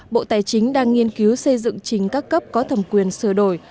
bộ tài chính đang nghiên cứu xây dựng trình các cấp có thẩm quyền sửa đổi